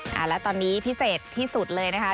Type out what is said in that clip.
แล้วตอนนี้พิเศษที่สุดเลยนะคะ